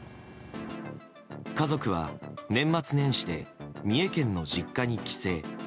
家族は年末年始で三重県の実家に帰省。